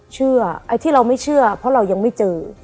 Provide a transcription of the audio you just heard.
ไอ้ที่เราไม่เชื่อเพราะเรายังไม่เจอ